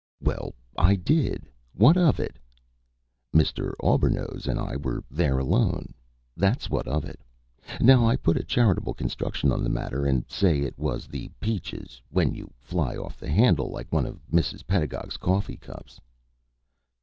'" "Well, I did. What of it?" "Mr. Auburnose and I were there alone. That's what of it. Now I put a charitable construction on the matter and say it was the peaches, when you fly off the handle like one of Mrs. Pedagog's coffee cups."